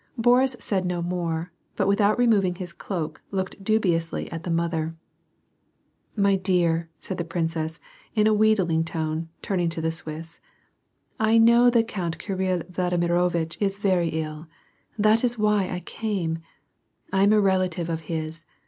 Boris said no more, but without removing his cloak looked dubiously at his mother. " My dear," * said the princess, in a wheedling tone, turning to the Swiss. " I know that the Count Kirill Vladimirovitch is very ill ; that's why I came. I am a relative of his.